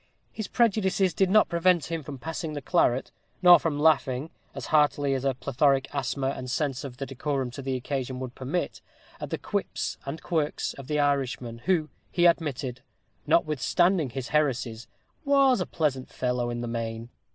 His prejudices did not prevent him from passing the claret, nor from laughing, as heartily as a plethoric asthma and sense of the decorum due to the occasion would permit, at the quips and quirks of the Irishman, who, he admitted, notwithstanding his heresies, was a pleasant fellow in the main.